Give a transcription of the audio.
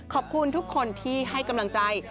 ขอบคุณทุกคนที่ให้กำลังใจ